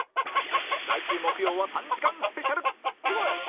来週木曜は３時間スペシャル